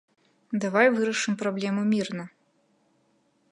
Давай вырашым праблему мірна!